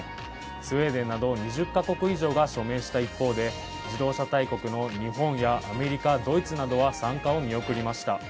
スウェーデンなど２０カ国以上が署名した一方で自動車大国の日本やアメリカ、ドイツなどは参加を見送りました。